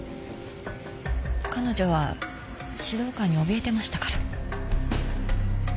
彼女は指導官におびえてましたから。